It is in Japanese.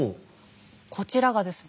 こちらがですね